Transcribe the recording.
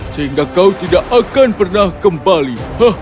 sehingga kau tidak akan pernah kembali